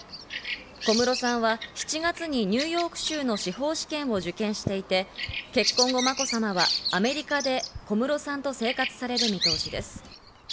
小室さんは７月にニューヨーク州の司法試験を受験していて結婚後、まこさまはアメリカで小室さんと生活される見通しです。